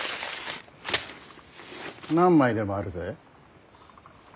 何枚でもあるぜ。